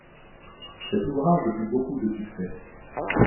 Cet ouvrage eut beaucoup de succès.